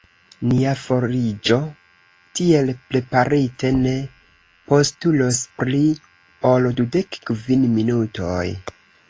Nia foriĝo, tiel preparite, ne postulos pli ol dudek kvin minutoj.